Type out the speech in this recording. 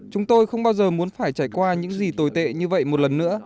chúng tôi không bao giờ muốn phải trải qua những gì tồi tệ như vậy một lần nữa